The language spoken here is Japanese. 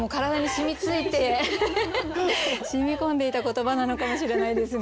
染み込んでいた言葉なのかもしれないですね。